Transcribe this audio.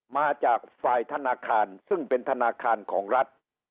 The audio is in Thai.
มาจากฝ่ายธนาคารซึ่งเป็นธนาคารของรัฐ